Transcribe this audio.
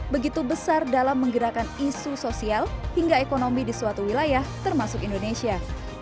begitu besar dalam menggerakkan isu sosial hingga ekonomi di suatu wilayah termasuk indonesia